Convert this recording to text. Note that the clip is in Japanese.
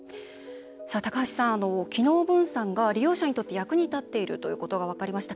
高橋さん、機能分散が利用者にとって役に立っているということが分かりました。